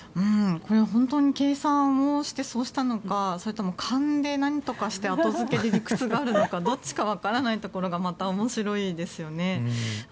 これ、本当に計算をしてそうしたのかそれとも勘でなんとかして後付けで理屈があるのかどっちかわからないところがまた面白いですよね。